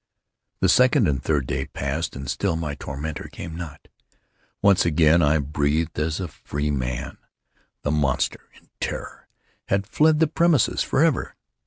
The second and the third day passed, and still my tormentor came not. Once again I breathed as a freeman. The monster, in terror, had fled the premises forever!